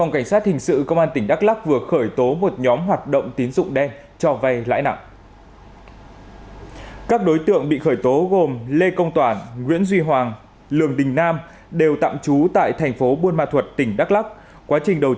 các đối tượng bị khởi tố gồm lê công toản nguyễn duy hoàng lường đình nam đều tạm trú tại thành phố buôn ma thuật tỉnh đắk lắk